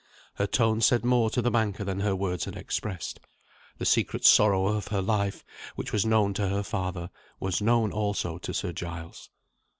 Her tone said more to the banker than her words had expressed. The secret sorrow of her life, which was known to her father, was known also to Sir Giles.